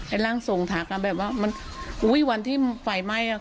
ไอ้ร่างส่งทักอะแบบว่าอุ้ยวันที่ไฟไหม้อะ